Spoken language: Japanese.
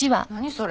それ。